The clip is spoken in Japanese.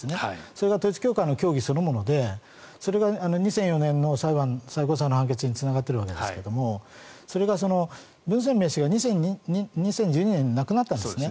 それが統一教会の教義そのものでそれが２００４年の最高裁の判決につながっているわけですがそれがブン・センメイ氏が２０１２年に亡くなったんです。